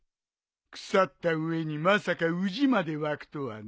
腐った上にまさかウジまで湧くとはね。